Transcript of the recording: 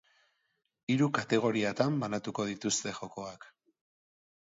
Hiru kategoriatan banatuko dituzte jokoak